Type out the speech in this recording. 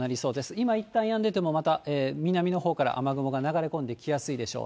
今いったんやんでても、また南のほうから雨雲が流れ込んできやすいでしょう。